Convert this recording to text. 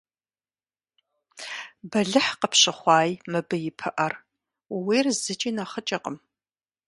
Бэлыхь къыпщыхъуаи мыбы и пыӀэр – ууейр зыкӀи нэхъыкӀэкъым.